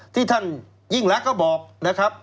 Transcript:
ที่ท่านยิ่งรักก็บอกนะครับ